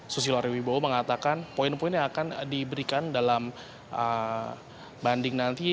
susilo rewi bowo mengatakan poin poin yang akan diberikan dalam banding nanti